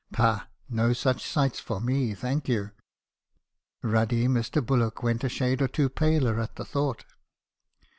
Pah ! no such sights for me, thank you.' "Ruddy Mr. Bullock went a shade or two paler at the thought.